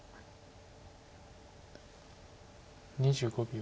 ２５秒。